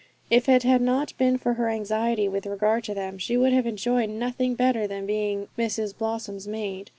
If it had not been for her anxiety with regard to them, she would have enjoyed nothing better than being Mrs Blossom's little maid.